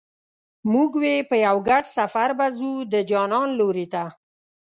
موږ وې په یو ګډ سفر به ځو د جانان لوري ته